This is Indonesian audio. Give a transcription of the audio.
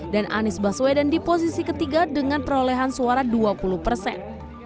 dan anies baswedan di posisi ketiga dengan perolehan suara dua puluh persen